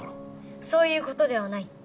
そういう事ではない。